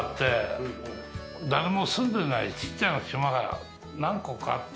誰も住んでないちっちゃな島が何個かあって。